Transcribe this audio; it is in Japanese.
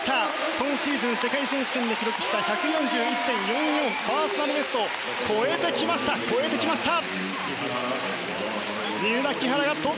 今シーズン世界選手権で記録した１４１．４４というパーソナルベストを超えてきました！